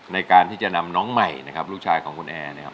ในการที่จะนำน้องใหม่นะครับลูกชายของคุณแอร์นะครับ